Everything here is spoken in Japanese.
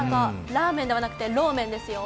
ラーメンではなくてローメンですよ。